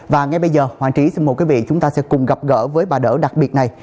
và ngay bây giờ hoàng trí xin mời quý vị chúng ta sẽ cùng gặp gỡ với bà đỡ đặc biệt này